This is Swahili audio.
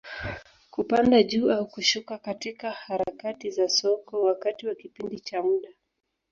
Kupanda juu au kushuka katika harakati za soko, wakati wa kipindi cha muda.